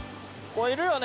いるよね